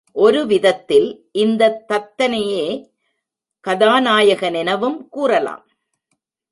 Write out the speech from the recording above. ஒருவிதத்தில் இந்தத் தத்தனையே கதாநாயகனெனவும் கூறலாம்.